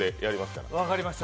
分かりました。